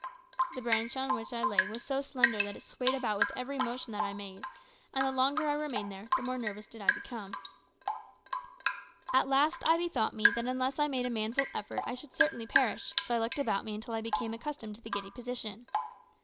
The branch on which I lay was so slender that it swayed about with every motion that I made, and the longer I remained there the more nervous did I become. At last I bethought me that unless I made a manful effort I should certainly perish, so I looked about me until I became accustomed to the giddy position.